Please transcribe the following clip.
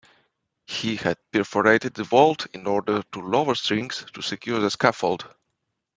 He had perforated the vault in order to lower strings to secure the scaffold.